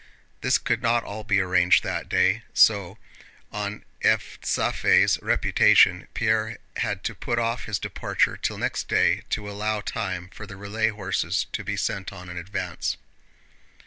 This could not all be arranged that day, so on Evstáfey's representation Pierre had to put off his departure till next day to allow time for the relay horses to be sent on in advance.